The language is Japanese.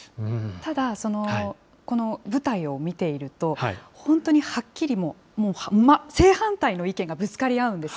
ただ、この舞台を見ていると、本当にはっきりもう、正反対の意見がぶつかり合うんです。